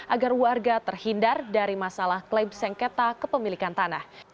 agar warga terhindar dari masalah klaim sengketa kepemilikan tanah